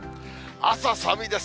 朝寒いです。